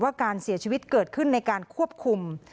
การเสียชีวิตเกิดขึ้นในการควบคุม